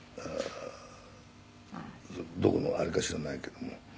「どこのあれか知らないけども」